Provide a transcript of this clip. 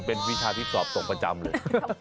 เป็นวิชาที่สอบตกประจำเลย